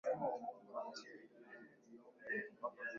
na Waislamu una umuhimu wa pekee kwa ajili ya amani na maendeleo